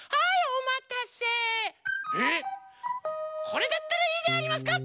これだったらいいでありますか？